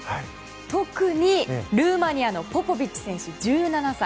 特にルーマニアのポポビッチ選手、１７歳。